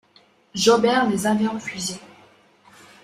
Jobert les avait refusés.